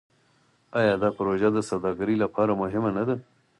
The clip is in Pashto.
آیا دا پروژه د سوداګرۍ لپاره مهمه نه ده؟